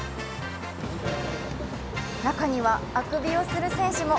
中には、あくびをする選手も。